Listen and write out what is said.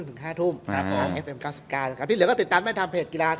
ที่เหลือก็ติดตามแม่นทางเพจกีฬา